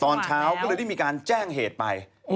ตอนเช้าก็เลยได้มีการแจ้งเหตุไป